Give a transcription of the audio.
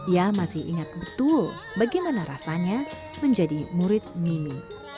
ia masih ingat betul bagaimana rasanya menjadi murid mimi